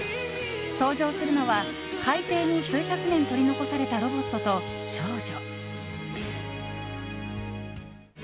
登場するのは、海底に数百年取り残されたロボットと少女。